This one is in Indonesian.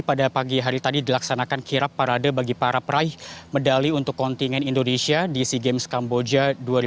pada pagi hari tadi dilaksanakan kirap parade bagi para peraih medali untuk kontingen indonesia di sea games kamboja dua ribu dua puluh